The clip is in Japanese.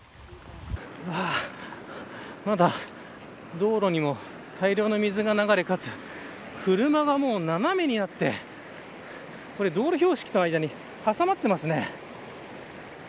まだ道路にも大量の水が流れかつ車が斜めになって道路標識の間に挟まっています。